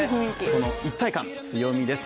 この一体感、強みです。